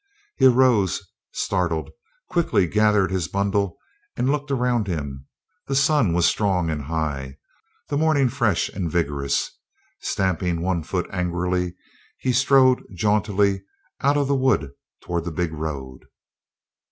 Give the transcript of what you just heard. He arose, startled, quickly gathered his bundle, and looked around him. The sun was strong and high, the morning fresh and vigorous. Stamping one foot angrily, he strode jauntily out of the wood toward the big road.